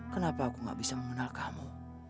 kenapa aku gak bisa mengenal kamu